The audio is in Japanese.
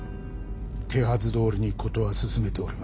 手はずどおりに事は進めております。